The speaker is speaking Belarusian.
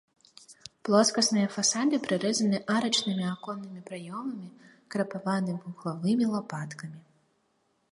Плоскасныя фасады прарэзаны арачнымі аконнымі праёмамі, крапаваны вуглавымі лапаткамі.